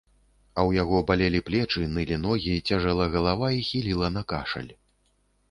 А ў яго балелі плечы, нылі ногі, цяжэла галава і хіліла на кашаль.